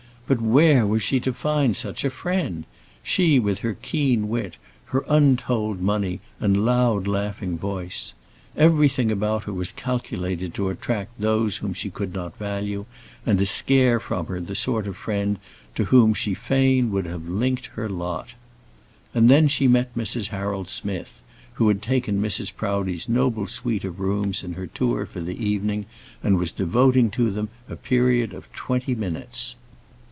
But where was she to find such a friend? she with her keen wit, her untold money, and loud laughing voice. Everything about her was calculated to attract those whom she could not value, and to scare from her the sort of friend to whom she would fain have linked her lot. And then she met Mrs. Harold Smith, who had taken Mrs. Proudie's noble suite of rooms in her tour for the evening, and was devoting to them a period of twenty minutes.